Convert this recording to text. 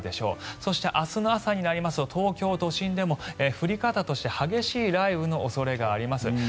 そして、明日の朝になりますと東京都心でも降り方として激しい雷雨の恐れがあります。